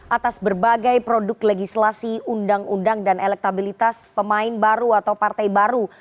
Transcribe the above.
atas berbagai produk legislasi undang undang dan elektabilitas pemain baru atau partai baru